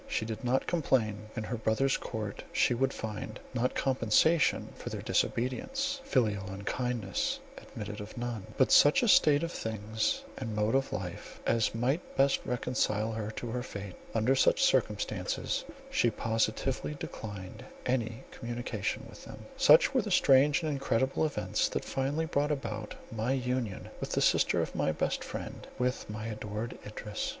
She did not complain; in her brother's court she would find, not compensation for their disobedience (filial unkindness admitted of none), but such a state of things and mode of life, as might best reconcile her to her fate. Under such circumstances, she positively declined any communication with them." Such were the strange and incredible events, that finally brought about my union with the sister of my best friend, with my adored Idris.